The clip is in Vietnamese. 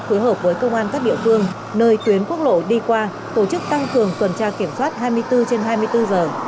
phối hợp với công an các địa phương nơi tuyến quốc lộ đi qua tổ chức tăng cường tuần tra kiểm soát hai mươi bốn trên hai mươi bốn giờ